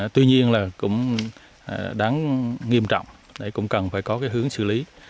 tuy nhiên là cũng đáng nghiêm trọng cũng cần phải có cái hướng xử lý